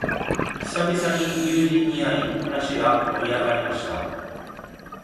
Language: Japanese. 久々に友人に会い、話が盛り上がりました。